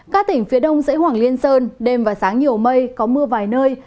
các tỉnh phía đông sẽ hoảng liên sơn đêm và sáng nhiều mây có mưa vài nơi